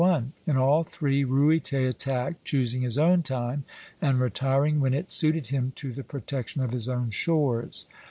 In all three Ruyter attacked, choosing his own time, and retiring when it suited him to the protection of his own shores.